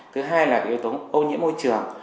thứ hai là yếu tố ô nhiễm môi trường